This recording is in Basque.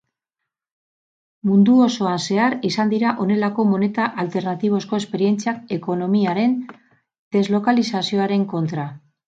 Mundu osoan zehar izan dira honelako moneta alternatibozko esperientziak ekonomiaren deslokalizazioaren kontra.